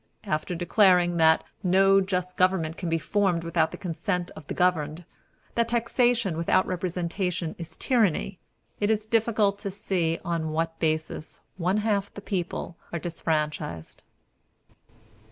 After declaring "that no just government can be formed without the consent of the governed," "that taxation without representation is tyranny," it is difficult to see on what basis one half the people are disfranchised.